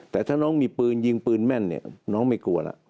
แต่ถ้าน้องมีปืนยิงปืนแม่นเนี่ยน้องไม่กลัวแล้ว